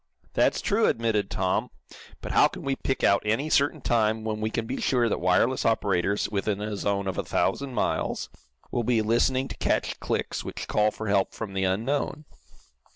"That's true," admitted Tom, "but how can we pick out any certain time, when we can be sure that wireless operators, within a zone of a thousand miles, will be listening to catch clicks which call for help from the unknown?"